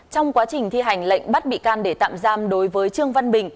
trong quá trình thi hành lệnh bắt bị can để tạm giam đối với trương văn bình